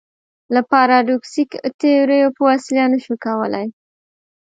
له پاراډوکسي تیوریو په وسیله نه شو کولای.